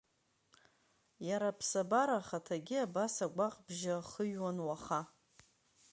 Иара аԥсабара ахаҭагьы, абас агәаҟ бжьы ахыҩуан уаха.